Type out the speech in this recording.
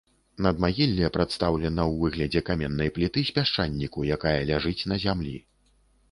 Надмагілле прадстаўлена ў выглядзе каменнай пліты з пясчаніку, якая ляжыць на зямлі.